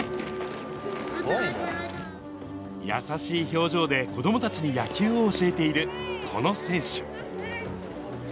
優しい表情で子どもたちに野球を教えているこの選手。